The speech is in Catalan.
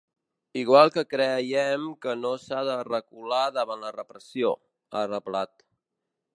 Igual que creiem que no s’ha de recular davant la repressió, ha reblat.